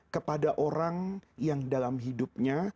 kepada orang yang dalam hidupnya